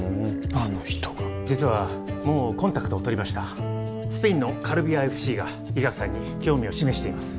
あの人が実はもうコンタクトをとりましたスペインのカルビアＦＣが伊垣さんに興味を示しています